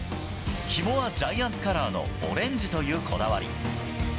ひもはジャイアンツカラーのオレンジというこだわり。